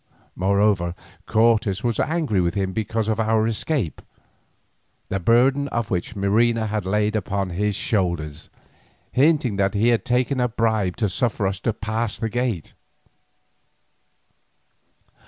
Moreover Cortes was angry with him because of our escape, the burden of which Marina had laid upon his shoulders, hinting that he had taken a bribe to suffer us to pass the gate.